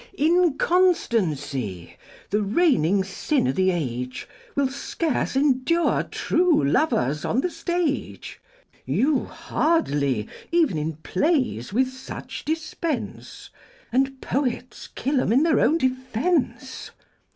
TNCONSTANCY, the reigning Sin o'th' Age, ■I Will scarce endure true Lovers on the Stage, You hardly ev'n in Plays with such dispense. And Poets kill 'em in their own Defence.